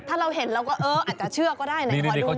ถ้าเราเห็นเราก็เอออาจจะเชื่อก็ได้นะพอดู